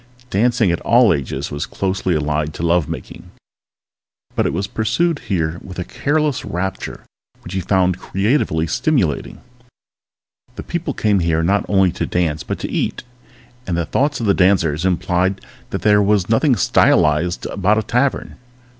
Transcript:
Dancing in all ages was closely allied to love making, but it was pursued here with a careless rapture which he found creatively stimulating. People came here not only to dance but to eat, and the thoughts of the dancers implied that there was nothing stylized about a tavern.